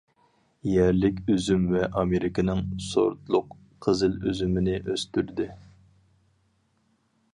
يەرلىك ئۈزۈم ۋە ئامېرىكىنىڭ سورتلۇق قىزىل ئۈزۈمىنى ئۆستۈردى.